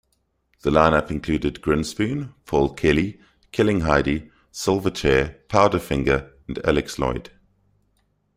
The line-up included Grinspoon, Paul Kelly, Killing Heidi, Silverchair, Powderfinger and Alex Lloyd.